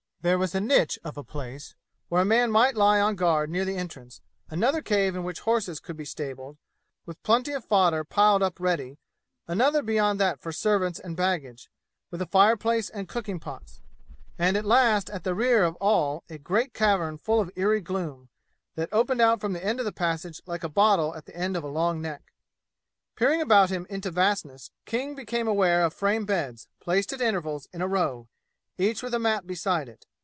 There was a niche of a place, where a man might lie on guard near the entrance; another cave in which horses could be stabled, with plenty of fodder piled up ready; another beyond that for servants and baggage, with a fireplace and cooking pots; and at the last at the rear of all a great cavern full of eerie gloom, that opened out from the end of the passage like a bottle at the end of a long neck. Peering about him into vastness, King became aware of frame beds, placed at intervals in a row, each with a mat beside it.